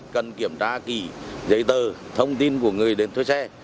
cần kiểm tra kỹ giấy tờ thông tin của người đến thuê xe